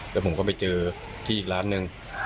แล้วผมก็ไปเจอที่อีกร้านหนึ่ง